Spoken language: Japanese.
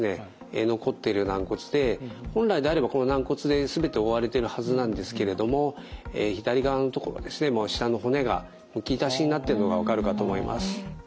残っている軟骨で本来であればこの軟骨で全て覆われているはずなんですけれども左側の所ですねもう下の骨がむき出しになっているのが分かるかと思います。